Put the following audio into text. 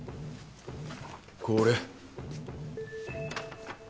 これ。